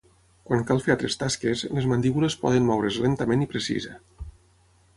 Quan cal fer altres tasques, les mandíbules poden moure's lentament i precisa.